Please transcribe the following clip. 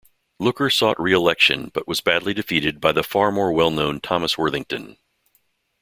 Looker sought re-election but was badly defeated by the far more well-known Thomas Worthington.